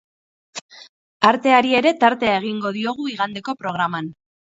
Arteari ere tartea egingo diogu igandeko programan.